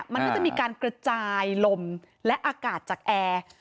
มันก็จะมีการกระจายลมและอากาศจากแอร์